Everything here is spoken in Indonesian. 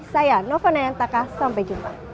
saya novo nentaka sampai jumpa